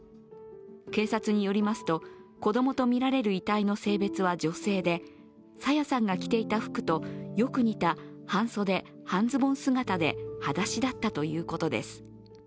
警察によりますと、子供とみられる遺体の性別は女性で朝芽さんが着ていた服とよく似た半袖・半ズボン姿ではだしだったということです。